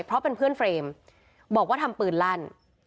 เพราะเป็นเพื่อนเฟรมบอกว่าทำปืนลั่น